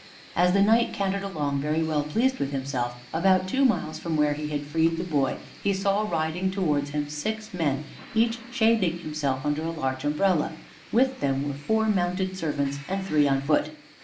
As the Knight cantered along, very well pleased with himself, about two miles from where he had freed the boy he saw riding towards him six men, each shading himself under a large umbrella. With them were four mounted servants, and three on foot.